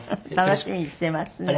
楽しみにしていますね。